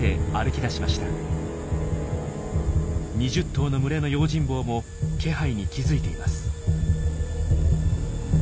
２０頭の群れの用心棒も気配に気付いています。